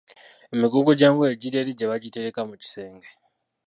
Emigugu gy’engoye giri eri gye bagitereka mu kisenge.